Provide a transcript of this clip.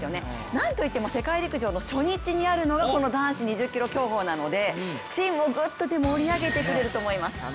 なんといっても世界陸上の初日にあるのが、この男子２０ｋｍ競歩なのでチームをぐっと盛り上げてくれると思います。